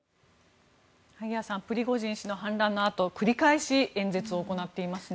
萩谷さん、プリゴジン氏の反乱のあと繰り返し演説を行っていますね。